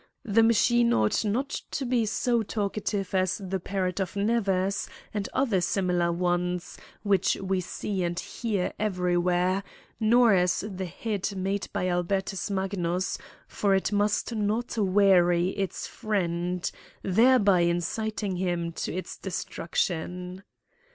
The machine ought not to be so talkative as the parrot of Nevers, and other similar ones, which we see and hear everywhere ; nor as the head made by Albertus Magnus ; for it must not weary its friend, thereby inciting him to its destruction.